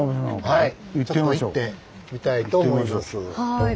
はい。